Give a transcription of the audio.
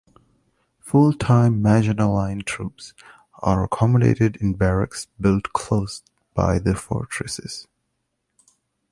Full-time Maginot Line troops were accommodated in barracks built close by the fortresses.